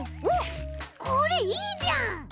おっこれいいじゃん！